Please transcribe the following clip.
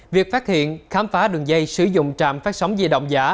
việc phát hiện khám phá đường dây sử dụng trạm phát sóng di động giả